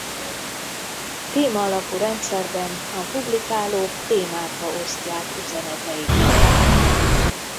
Téma alapú rendszerben a publikálók témákba osztják üzeneteiket.